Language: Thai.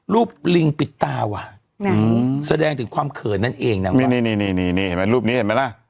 รูปลิงปิดตาว่ะแสดงถึงความเขินนั่นเองนะนี่แล้วลูปนี้เห็นไหมล่ะ